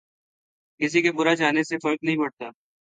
کســـی کے برا چاہنے سے فرق نہیں پڑتا